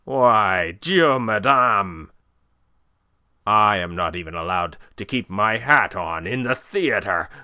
Why, Dieu me damne! I am not even allowed to keep my hat on in the theatre.